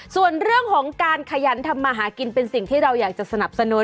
ส่วนเรื่องของการขยันทำมาหากินเป็นสิ่งที่เราอยากจะสนับสนุน